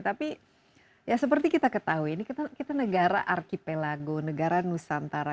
tapi seperti kita ketahui kita negara archipelago negara nusantara